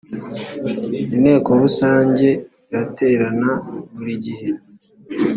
inteko rusange iraterana buri gihe